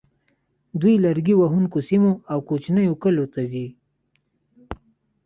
دوی لرګي وهونکو سیمو او کوچنیو کلیو ته ځي